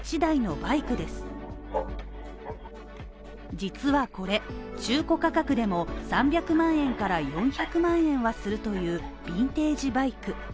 実はこれ、中古価格でも３００万円から４００万円はするというビンテージバイク。